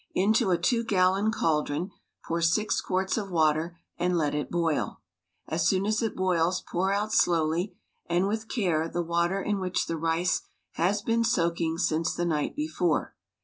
Into a two gallon caldron pour six quarts of water and let it boil. As soon as it boils pour out slowly and with care the water in which the rice has been soaking since the night before.